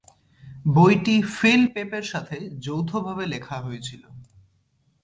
বইটি Phil Pepe সাথে যৌথভাবে লেখা হয়েছিল।